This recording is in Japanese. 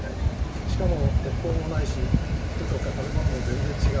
しかも鉄砲もないし服とか食べ物も全然違うと。